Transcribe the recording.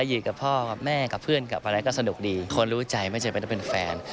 อยู่กับพ่อกับแม่กับเพื่อนกับอะไรก็สนุกดีคนรู้ใจไม่จำเป็นต้องเป็นแฟน